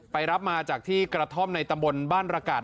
รับมาจากที่กระท่อมในตำบลบ้านระกาศ